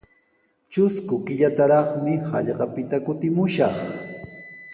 Trusku killataraqmi hallqapita kutimushaq.